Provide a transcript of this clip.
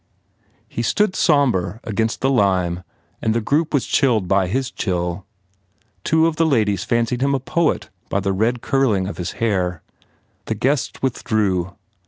He stood sombre against the lime and the group was chilled by his chill. Two of the ladies fancied him a poet by the red curling of his hair. The guests with drew.